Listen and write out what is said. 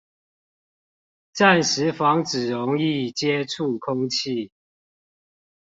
暫時防止溶液接觸空氣